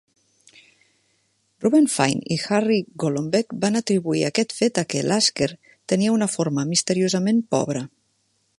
Reuben Fine i Harry Golombek van atribuir aquest fet a què Lasker tenia una forma misteriosament pobre.